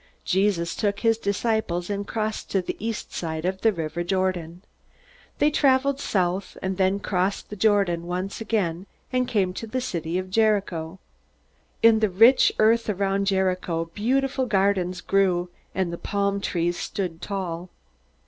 Jesus took his disciples and crossed to the east side of the river Jordan. They traveled south, and then crossed the Jordan once again and came to the city of Jericho. In the rich earth around Jericho beautiful gardens grew, and the palm trees stood tall.